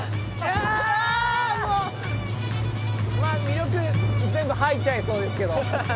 ノ蓮全部吐いちゃいそうですけど。